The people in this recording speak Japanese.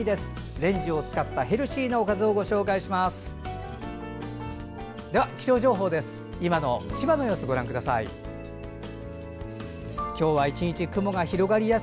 レンジを使ったヘルシーな一食をご紹介します。